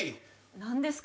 何ですか？